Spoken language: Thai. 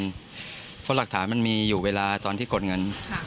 เพราะหลักฐานมันมีอยู่เวลาตอนที่กดเงิน